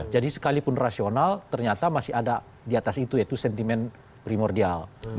sekalipun rasional ternyata masih ada di atas itu yaitu sentimen primordial